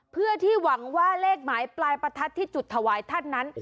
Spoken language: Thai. เพื่อที่หวังว่าเลขหมายปลายประทัดที่จุดถวายท่านนั้น